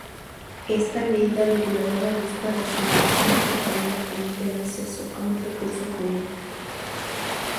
Esta medida reguladora busca racionalizar económicamente el acceso a un recurso común.